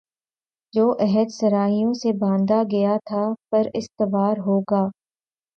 جو عہد صحرائیوں سے باندھا گیا تھا پر استوار ہوگا